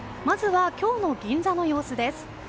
まずは、今日の銀座の様子です。